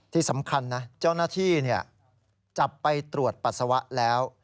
ที่สำคัญนะเจ้าหน้าที่จับไปตรวจปัสสาวะแล้ว